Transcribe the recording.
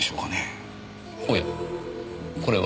おやこれは？